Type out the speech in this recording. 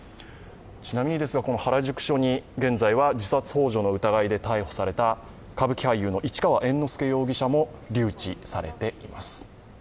ちなみにこの原宿署に、現在は自殺ほう助の疑いで逮捕された歌舞伎俳優の市川猿之助容疑者も留置されています。